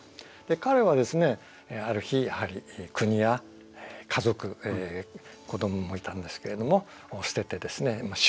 彼はですねある日国や家族子どももいたんですけれども捨ててですね出家をします。